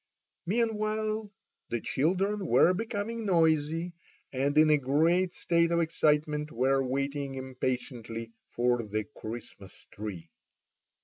Meanwhile the children were becoming noisy, and in a great state of excitement were waiting impatiently for the Christmas tree.